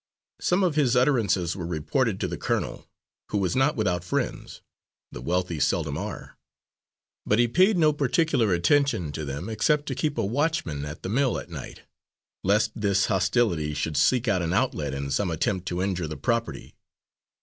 Some of his utterances were reported to the colonel, who was not without friends the wealthy seldom are; but he paid no particular attention to them, except to keep a watchman at the mill at night, lest this hostility should seek an outlet in some attempt to injure the property.